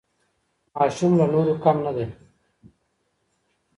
ماشوم له نورو کم نه دی.